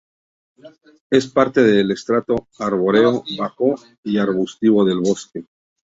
Es parte del estrato arbóreo bajo y arbustivo del bosque.